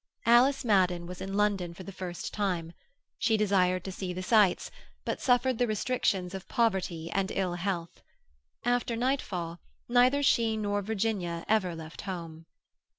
Alice Madden was in London for the first time; she desired to see the sights, but suffered the restrictions of poverty and ill health. After nightfall, neither she nor Virginia ever left home.